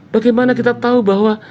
bagaimana kita tahu bahwa